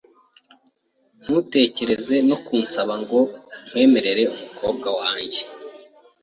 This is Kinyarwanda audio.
Ntutekereze no kunsaba ngo nkwemerere umukobwa wanjye.